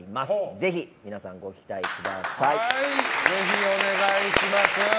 ぜひ、お願いします。